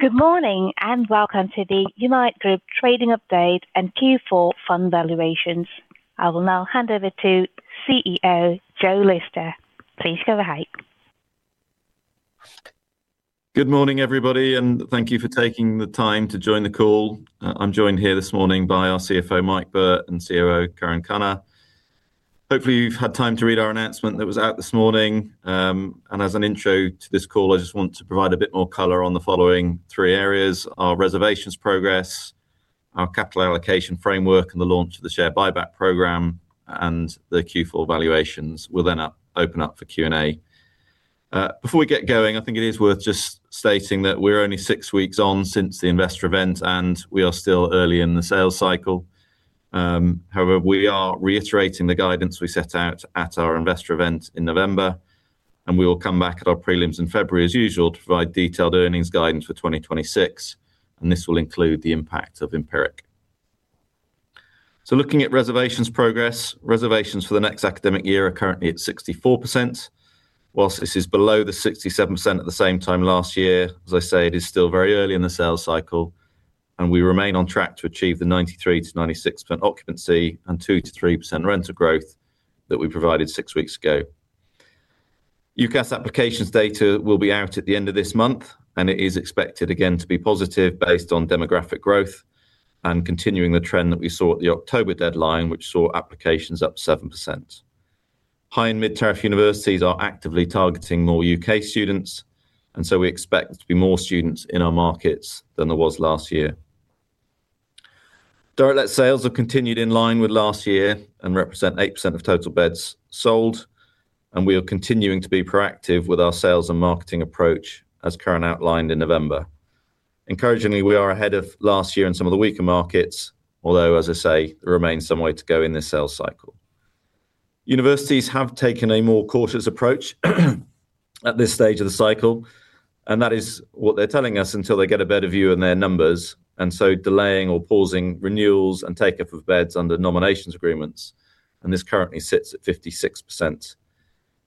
Good morning and welcome to the Unite Group Trading Update and Q4 Fund Valuations. I will now hand over to CEO Joe Lister. Please go ahead. Good morning, everybody, and thank you for taking the time to join the call. I'm joined here this morning by our CFO, Mike Burt, and COO, Karan Khanna. Hopefully, you've had time to read our announcement that was out this morning, and as an intro to this call, I just want to provide a bit more color on the following three areas: our reservations progress, our capital allocation framework, and the launch of the share buyback program, and the Q4 valuations. We'll then open up for Q&A. Before we get going, I think it is worth just stating that we're only six weeks on since the investor event, and we are still early in the sales cycle. However, we are reiterating the guidance we set out at our investor event in November, and we will come back at our prelims in February, as usual, to provide detailed earnings guidance for 2026, and this will include the impact of Empiric. So looking at reservations progress, reservations for the next academic year are currently at 64%, while this is below the 67% at the same time last year. As I say, it is still very early in the sales cycle, and we remain on track to achieve the 93%-96% occupancy and 2%-3% rental growth that we provided six weeks ago. UCAS applications data will be out at the end of this month, and it is expected again to be positive based on demographic growth and continuing the trend that we saw at the October deadline, which saw applications up 7%. High-tariff and mid-tariff universities are actively targeting more U.K. students, and so we expect to have more students in our markets than there was last year. Direct sales have continued in line with last year and represent 8% of total beds sold, and we are continuing to be proactive with our sales and marketing approach, as Karan outlined in November. Encouragingly, we are ahead of last year and some of the weaker markets, although, as I say, there remains some way to go in this sales cycle. Universities have taken a more cautious approach at this stage of the cycle, and that is what they're telling us until they get a better view in their numbers, and so delaying or pausing renewals and take-up of beds under nominations agreements, and this currently sits at 56%,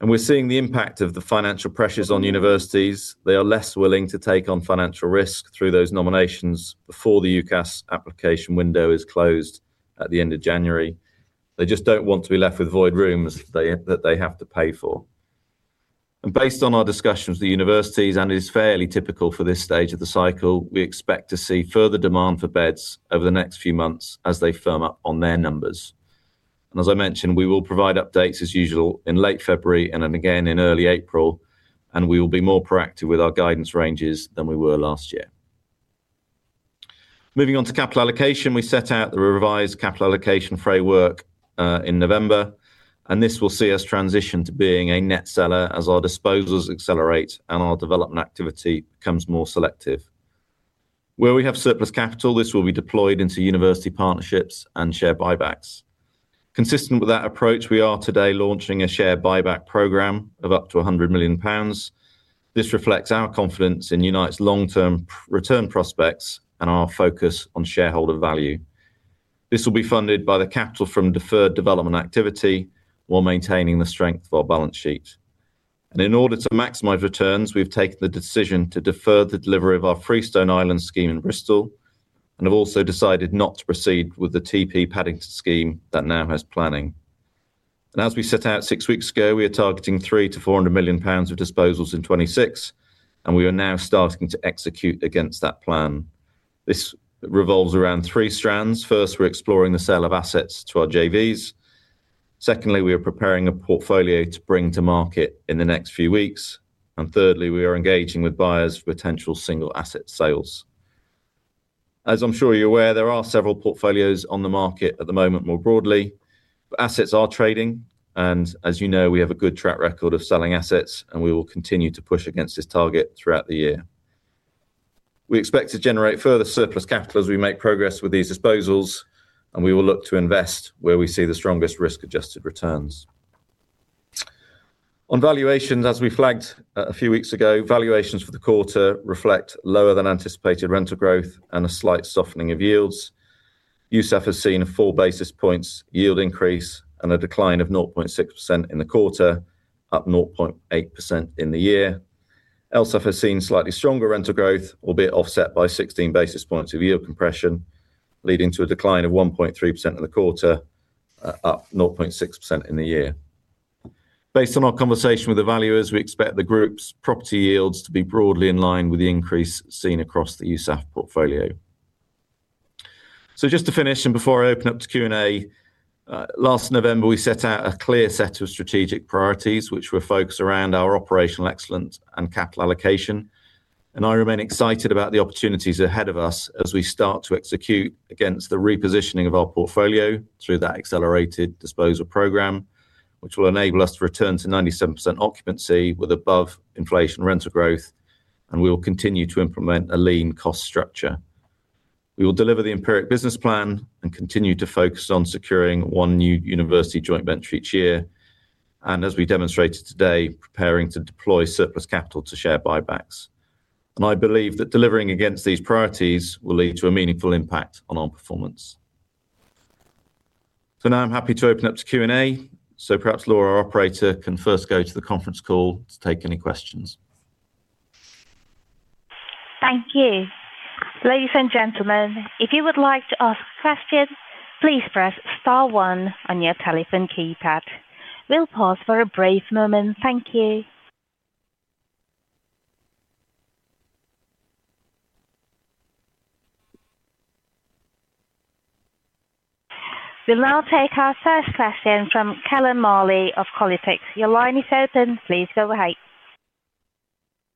and we're seeing the impact of the financial pressures on universities. They are less willing to take on financial risk through those nominations before the UCAS application window is closed at the end of January. They just don't want to be left with void rooms that they have to pay for, and based on our discussions with the universities, and it is fairly typical for this stage of the cycle, we expect to see further demand for beds over the next few months as they firm up on their numbers, and as I mentioned, we will provide updates as usual in late February and again in early April, and we will be more proactive with our guidance ranges than we were last year. Moving on to capital allocation, we set out the revised capital allocation framework in November, and this will see us transition to being a net seller as our disposals accelerate and our development activity becomes more selective. Where we have surplus capital, this will be deployed into university partnerships and share buybacks. Consistent with that approach, we are today launching a share buyback program of up to 100 million pounds. This reflects our confidence in Unite's long-term return prospects and our focus on shareholder value. This will be funded by the capital from deferred development activity while maintaining the strength of our balance sheet. In order to maximize returns, we've taken the decision to defer the delivery of our Freestone Island scheme in Bristol and have also decided not to proceed with the TP Paddington scheme that now has planning. As we set out six weeks ago, we are targeting 300 million-400 million pounds of disposals in 2026, and we are now starting to execute against that plan. This revolves around three strands. First, we're exploring the sale of assets to our JVs. Secondly, we are preparing a portfolio to bring to market in the next few weeks. And thirdly, we are engaging with buyers for potential single asset sales. As I'm sure you're aware, there are several portfolios on the market at the moment more broadly, but assets are trading, and as you know, we have a good track record of selling assets, and we will continue to push against this target throughout the year. We expect to generate further surplus capital as we make progress with these disposals, and we will look to invest where we see the strongest risk-adjusted returns. On valuations, as we flagged a few weeks ago, valuations for the quarter reflect lower than anticipated rental growth and a slight softening of yields. USAF has seen a four basis points yield increase and a decline of 0.6% in the quarter, up 0.8% in the year. LSAV has seen slightly stronger rental growth, albeit offset by 16 basis points of yield compression, leading to a decline of 1.3% in the quarter, up 0.6% in the year. Based on our conversation with the valuers, we expect the group's property yields to be broadly in line with the increase seen across the USAF portfolio, so just to finish, and before I open up to Q&A, last November we set out a clear set of strategic priorities, which were focused around our operational excellence and capital allocation, and I remain excited about the opportunities ahead of us as we start to execute against the repositioning of our portfolio through that accelerated disposal program, which will enable us to return to 97% occupancy with above-inflation rental growth, and we will continue to implement a lean cost structure. We will deliver the Empiric business plan and continue to focus on securing one new university joint venture each year, and as we demonstrated today, preparing to deploy surplus capital to share buybacks, and I believe that delivering against these priorities will lead to a meaningful impact on our performance, so now I'm happy to open up to Q&A, so perhaps Laura, our operator, can first go to the conference call to take any questions. Thank you. Ladies and gentlemen, if you would like to ask a question, please press star one on your telephone keypad. We'll pause for a brief moment. Thank you. We'll now take our first question from [Kellen Marley of Qualitas]. Your line is open. Please go ahead.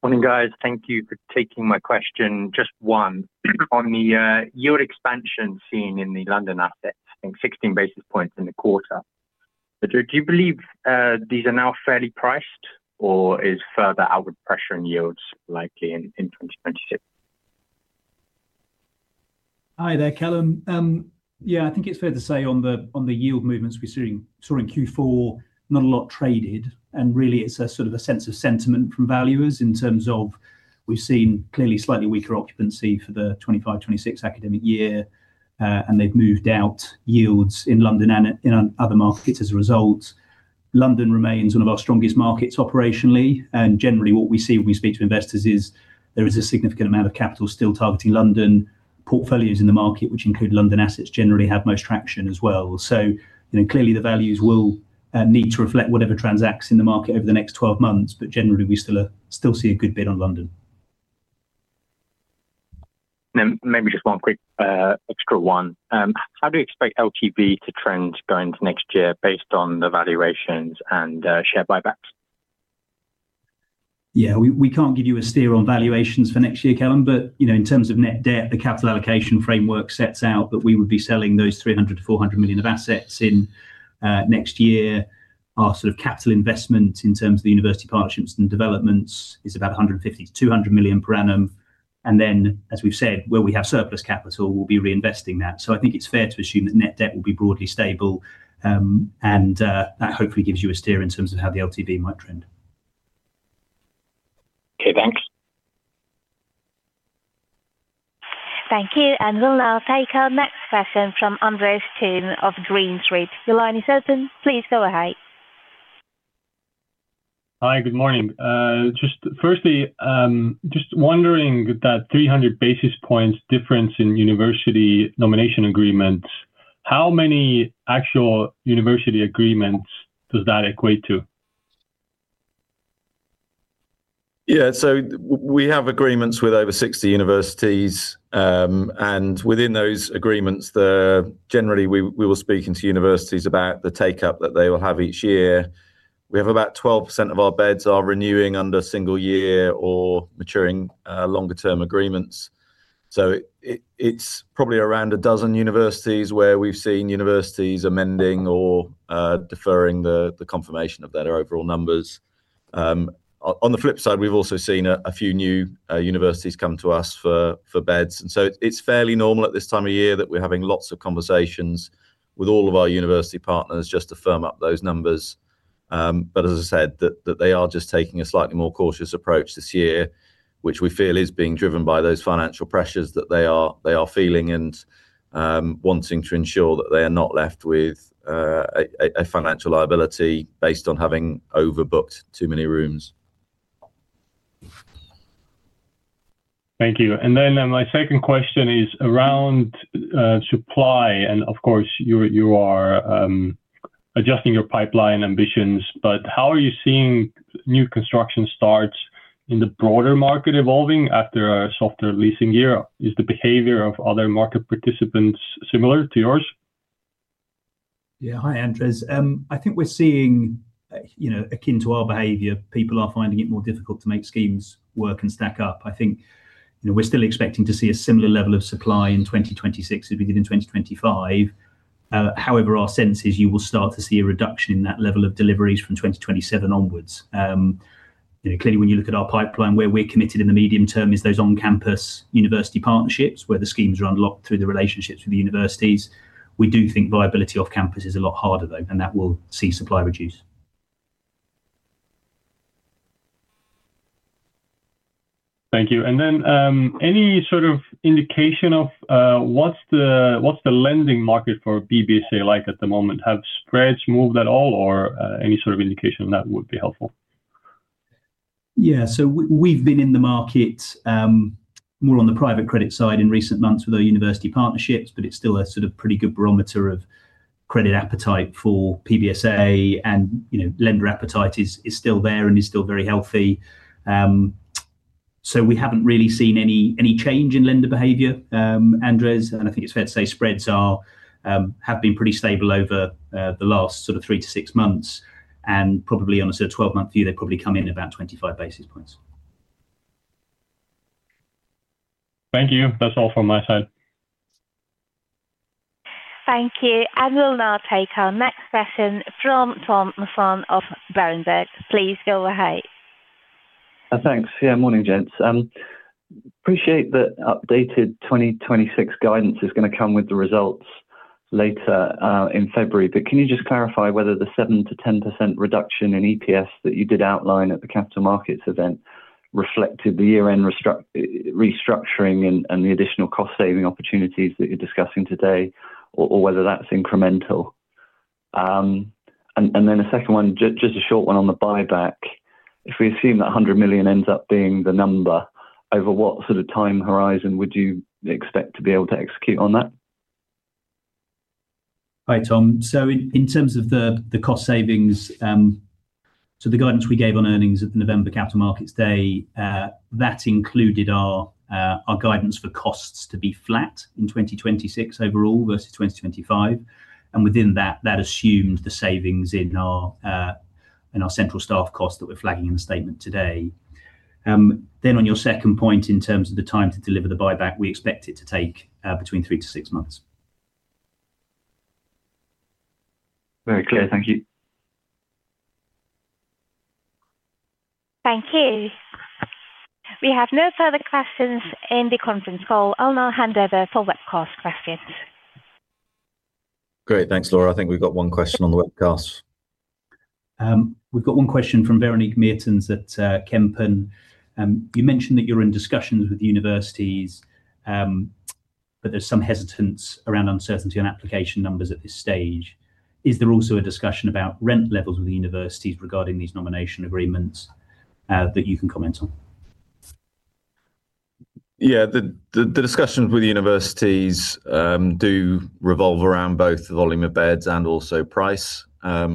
Morning, guys. Thank you for taking my question. Just one on the yield expansion seen in the London assets, I think 16 basis points in the quarter. Do you believe these are now fairly priced, or is further outward pressure on yields likely in 2026? Hi there, Kellen. Yeah, I think it's fair to say on the yield movements we're seeing in Q4, not a lot traded, and really it's a sort of a sense of sentiment from valuers in terms of we've seen clearly slightly weaker occupancy for the 2025-2026 academic year, and they've moved out yields in London and in other markets as a result. London remains one of our strongest markets operationally, and generally what we see when we speak to investors is there is a significant amount of capital still targeting London. Portfolios in the market, which include London assets, generally have most traction as well, so clearly the values will need to reflect whatever transacts in the market over the next 12 months, but generally we still see a good bid on London. Maybe just one quick extra one. How do you expect LTV to trend going into next year based on the valuations and share buybacks? Yeah, we can't give you a steer on valuations for next year, Kellen, but in terms of net debt, the capital allocation framework sets out that we would be selling those 300 million-400 million of assets in next year. Our sort of capital investment in terms of the university partnerships and developments is about 150 million-200 million per annum. And then, as we've said, where we have surplus capital, we'll be reinvesting that. So I think it's fair to assume that net debt will be broadly stable, and that hopefully gives you a steer in terms of how the LTV might trend. Okay, thanks. Thank you. And we'll now take our next question from Andres Toome of Green Street. Your line is open. Please go ahead. Hi, good morning. Just firstly, just wondering that 300 basis points difference in university nomination agreements, how many actual university agreements does that equate to? Yeah, so we have agreements with over 60 universities, and within those agreements, generally we will be speaking to universities about the take-up that they will have each year. We have about 12% of our beds are renewing under single-year or maturing longer-term agreements, so it's probably around a dozen universities where we've seen universities amending or deferring the confirmation of their overall numbers. On the flip side, we've also seen a few new universities come to us for beds, and so it's fairly normal at this time of year that we're having lots of conversations with all of our university partners just to firm up those numbers. But as I said, that they are just taking a slightly more cautious approach this year, which we feel is being driven by those financial pressures that they are feeling and wanting to ensure that they are not left with a financial liability based on having overbooked too many rooms. Thank you. And then my second question is around supply, and of course, you are adjusting your pipeline ambitions, but how are you seeing new construction starts in the broader market evolving after a softer leasing year? Is the behavior of other market participants similar to yours? Yeah, hi, Andres. I think we're seeing, akin to our behavior, people are finding it more difficult to make schemes work and stack up. I think we're still expecting to see a similar level of supply in 2026 as we did in 2025. However, our sense is you will start to see a reduction in that level of deliveries from 2027 onwards. Clearly, when you look at our pipeline, where we're committed in the medium term is those on-campus university partnerships where the schemes are unlocked through the relationships with the universities. We do think viability off-campus is a lot harder, though, and that will see supply reduce. Thank you. And then any sort of indication of what's the lending market for PBSA like at the moment? Have spreads moved at all, or any sort of indication of that would be helpful? Yeah, so we've been in the market more on the private credit side in recent months with our university partnerships, but it's still a sort of pretty good barometer of credit appetite for PBSA, and lender appetite is still there and is still very healthy. So we haven't really seen any change in lender behavior, Andres, and I think it's fair to say spreads have been pretty stable over the last sort of three to six months, and probably on a sort of 12-month view, they probably come in about 25 basis points. Thank you. That's all from my side. Thank you. And we'll now take our next question from Tom Musson of Berenberg. Please go ahead. Thanks. Yeah, morning, gents. Appreciate the updated 2026 guidance is going to come with the results later in February, but can you just clarify whether the 7%-10% reduction in EPS that you did outline at the capital markets event reflected the year-end restructuring and the additional cost-saving opportunities that you're discussing today, or whether that's incremental? And then a second one, just a short one on the buyback. If we assume that 100 million ends up being the number, over what sort of time horizon would you expect to be able to execute on that? Hi, Tom. So in terms of the cost savings, so the guidance we gave on earnings at the November capital markets day, that included our guidance for costs to be flat in 2026 overall versus 2025. And within that, that assumed the savings in our central staff cost that we're flagging in the statement today. Then on your second point in terms of the time to deliver the buyback, we expect it to take between three to six months. Very clear. Thank you. Thank you. We have no further questions in the conference call. I'll now hand over for webcast questions. Great. Thanks, Laura. I think we've got one question on the webcast. We've got one question from Véronique Meertens at Kempen. You mentioned that you're in discussions with universities, but there's some hesitance around uncertainty on application numbers at this stage. Is there also a discussion about rent levels with universities regarding these nomination agreements that you can comment on? Yeah, the discussions with universities do revolve around both the volume of beds and also price.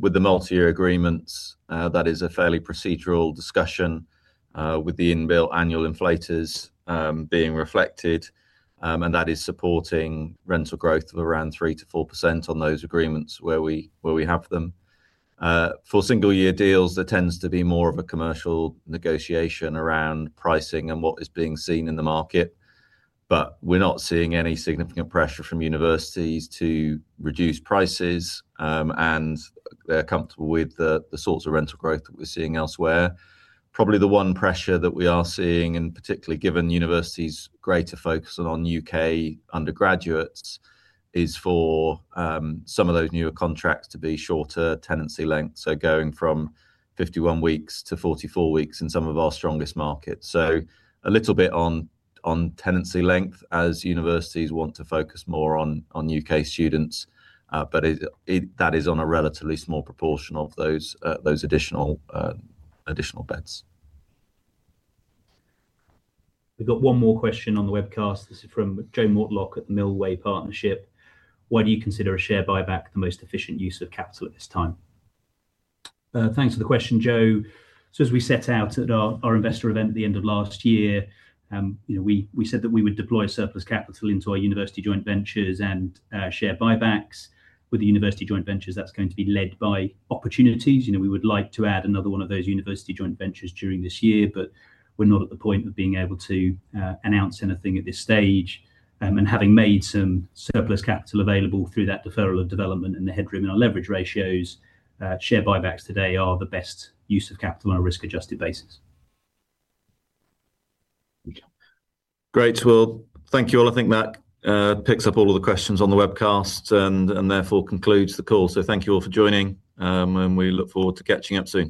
With the multi-year agreements, that is a fairly procedural discussion with the inbuilt annual inflators being reflected, and that is supporting rental growth of around 3%-4% on those agreements where we have them. For single-year deals, there tends to be more of a commercial negotiation around pricing and what is being seen in the market, but we're not seeing any significant pressure from universities to reduce prices, and they're comfortable with the sorts of rental growth that we're seeing elsewhere. Probably the one pressure that we are seeing, and particularly given universities' greater focus on U.K. undergraduates, is for some of those newer contracts to be shorter tenancy lengths, so going from 51 weeks to 44 weeks in some of our strongest markets. So a little bit on tenancy length as universities want to focus more on U.K. students, but that is on a relatively small proportion of those additional beds. We've got one more question on the webcast. This is from [Joe Mortlock] at the Millway Partnership. Why do you consider a share buyback the most efficient use of capital at this time? Thanks for the question, Joe. So as we set out at our investor event at the end of last year, we said that we would deploy surplus capital into our university joint ventures and share buybacks. With the university joint ventures, that's going to be led by opportunities. We would like to add another one of those university joint ventures during this year, but we're not at the point of being able to announce anything at this stage. And having made some surplus capital available through that deferral of development and the headroom in our leverage ratios, share buybacks today are the best use of capital on a risk-adjusted basis. Great. Well, thank you all. I think that picks up all of the questions on the webcast and therefore concludes the call. So thank you all for joining, and we look forward to catching up soon.